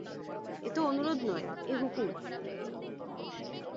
এ তো অনুরোধ নয়, এ হুকুম।